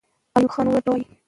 ایوب خان وویل چې ښه وایئ.